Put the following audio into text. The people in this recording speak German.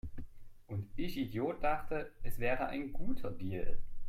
Und ich Idiot dachte, es wäre ein guter Deal!